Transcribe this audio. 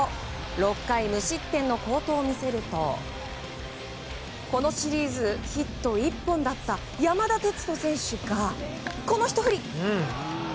６回無失点の好投を見せるとこのシリーズ、ヒット１本だった山田哲人選手がこのひと振り。